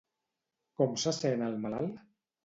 Com se sent el malalt?